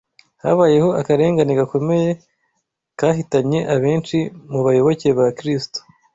Habayeho akarengane gakomeye kahitanye abenshi mu bayoboke ba Kristo